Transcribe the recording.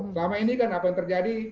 selama ini kan apa yang terjadi